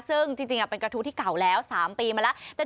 ซึ่งจริงเป็นกระทู้ที่เก่าแล้ว๓ปีมาแล้ว